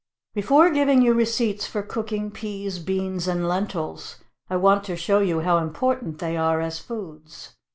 Before giving you receipts for cooking peas, beans, and lentils, I want to show you how important they are as foods.